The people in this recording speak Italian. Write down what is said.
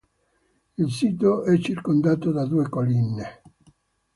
Il sito è circondato da due colline.